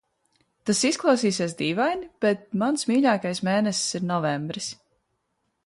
Tas izklaus?sies d?vaini, bet mans m???kais m?nesis ir novembris.